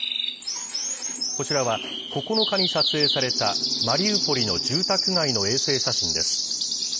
こちらは、９日に撮影されたマリウポリの住宅街の衛星写真です。